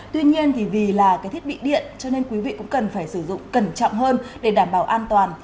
tuy nhiên thì vì là cái thiết bị điện cho nên quý vị cũng cần phải sử dụng cẩn trọng hơn để đảm bảo an toàn